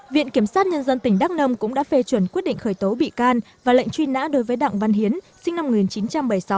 viện kiểm sát nhân dân tỉnh đắk nông cũng đã phê chuẩn quyết định khởi tố bị can và lệnh truy nã đối với đặng văn hiến sinh năm một nghìn chín trăm bảy mươi sáu